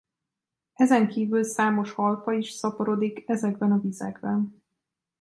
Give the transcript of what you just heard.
Ezen kívül számos halfaj is szaporodik ezekben a vizekben.